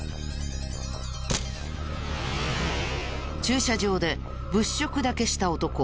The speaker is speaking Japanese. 駐車場で物色だけした男。